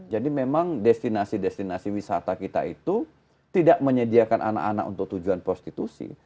jadi memang destinasi destinasi wisata kita itu tidak menyediakan anak anak untuk tujuan prostitusi